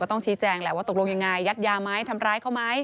ก็ต้องชี้แจงแหละว่าตกลงอย่างไรยัดยามัยทำร้ายเข้ามัย